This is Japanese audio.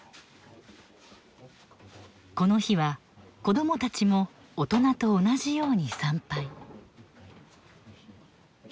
この日は子供たちも大人と同じように参拝。